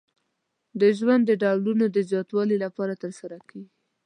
د ژوند د ډولونو د زیاتوالي لپاره ترسره کیږي.